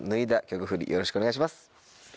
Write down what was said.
曲フリよろしくお願いします。